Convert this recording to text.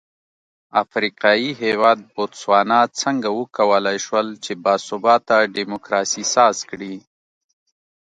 افریقايي هېواد بوتسوانا څنګه وکولای شول چې با ثباته ډیموکراسي ساز کړي.